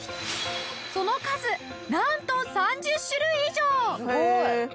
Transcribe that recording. その数なんと３０種類以上！